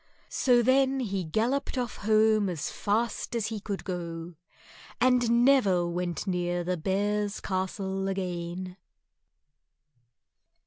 So then he galloped off home as fast as he could go, and never went near the Bears' Castle again.